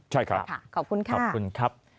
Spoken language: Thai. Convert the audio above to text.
ใช่ครับขอบคุณครับ